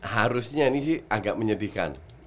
harusnya ini sih agak menyedihkan